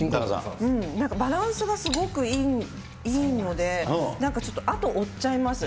なんかバランスがすごくいいので、なんかちょっと、あと追っちゃいます。